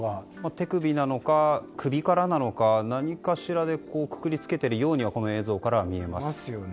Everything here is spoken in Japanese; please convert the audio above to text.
手首なのか、首からなのか何かしらで括り付けているようにこの映像から見えます。